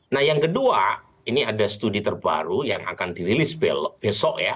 nah yang kedua ini ada studi terbaru yang akan dirilis besok ya